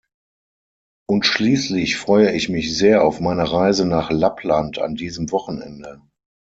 Und schließlich freue ich mich sehr auf meine Reise nach Lappland an diesem Wochenende.